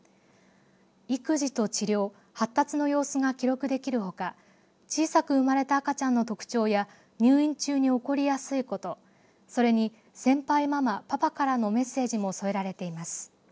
育児と治療、発達の様子が記録できるほか小さく生まれた赤ちゃんの特徴や入院中に起こりやすいことそれに先輩ママ、パパからのメッセージも添えられています。